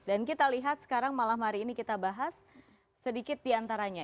dan kita lihat sekarang malam hari ini kita bahas sedikit diantaranya